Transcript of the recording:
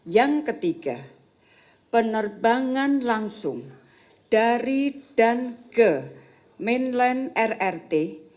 yang ketiga penerbangan langsung dari dan ke mainland rrt